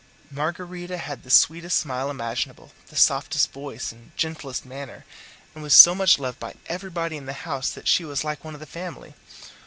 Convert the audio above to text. Margarita had the sweetest smile imaginable, the softest voice and gentlest manner, and was so much loved by everybody in the house that she was like one of the family.